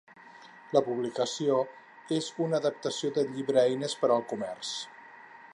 La publicació és una adaptació del llibre Eines per al comerç.